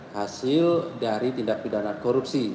hasil dari tindak pidana korupsi